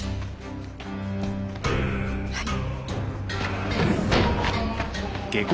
はい。